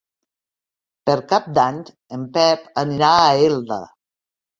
Per Cap d'Any en Pep anirà a Elda.